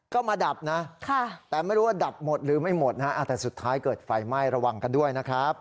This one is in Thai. ก็มาดับนะแต่ไม่รู้ว่าดับหมดหรือไม่หมดนะฮะแต่สุดท้ายเกิดไฟไหม้ระวังกันด้วยนะครับ